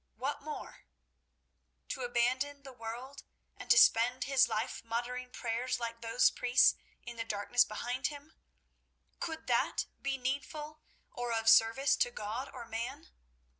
What more? To abandon the world and to spend his life muttering prayers like those priests in the darkness behind him? Could that be needful or of service to God or man?